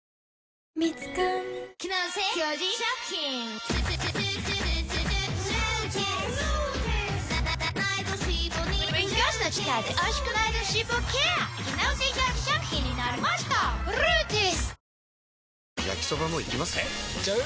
えいっちゃう？